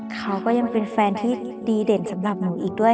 เขาก็ยังเป็นแฟนที่ดีเด่นสำหรับหนูอีกด้วย